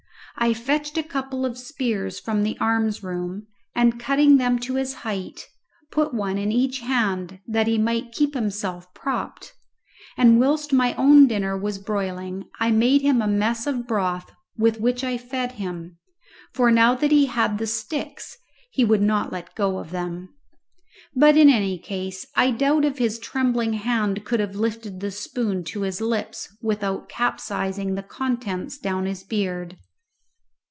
I fetched a couple of spears from the arms room, and, cutting them to his height, put one in each hand that he might keep himself propped; and whilst my own dinner was broiling I made him a mess of broth with which I fed him, for now that he had the sticks he would not let go of them. But in any case I doubt if his trembling hand could have lifted the spoon to his lips without capsizing the contents down his beard.